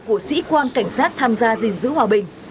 của sĩ quan cảnh sát tham gia gìn giữ hòa bình